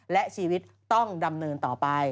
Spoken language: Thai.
และชีวิตต้องดำเนินต่อไป